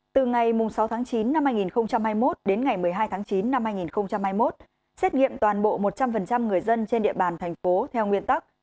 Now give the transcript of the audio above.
từ ngày sáu tháng chín năm hai nghìn hai mươi một đến ngày một mươi hai tháng chín năm hai nghìn hai mươi một xét nghiệm toàn bộ một trăm linh người dân trên địa bàn thành phố theo nguyên tắc